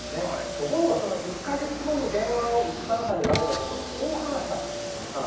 ところが、その１か月後に電話を紗菜さんにかけたところ紗菜さんがこう話したんです。